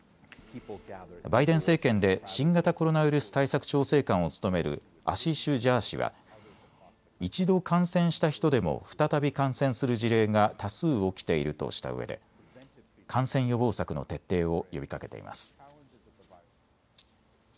バイデン政権で新型コロナウイルス対策調整官を務めるアシシュ・ジャー氏は一度、感染した人でも再び感染する事例が多数起きているとしたうえで感染予防策の徹底を呼びかけています。